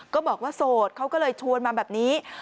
ก็บอกว่าโสดเขาก็เลยชวนมาแบบนี้